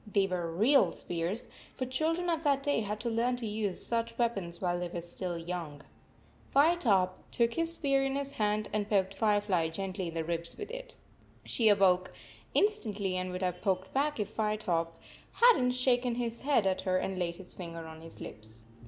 They were real spears, for children of that day had to learn to use such weapons while they were still very young. 45 Firetop took his spear in his hand and poked Firefly gently in the ribs with it. She woke instantly and would have poked back if Firetop hadn t shaken his head at her and laid his finger on his lips.